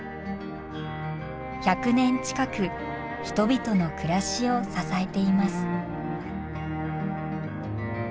１００年近く人々の暮らしを支えています。